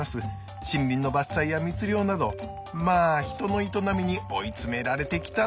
森林の伐採や密猟などまあ人の営みに追い詰められてきたっていうわけです。